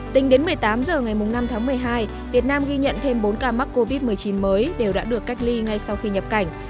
tính đến một mươi tám h ngày năm tháng một mươi hai việt nam ghi nhận thêm bốn ca mắc covid một mươi chín mới đều đã được cách ly ngay sau khi nhập cảnh